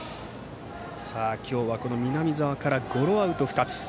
今日は南澤からゴロアウト２つ。